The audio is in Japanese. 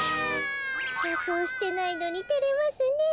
かそうしてないのにてれますねえ。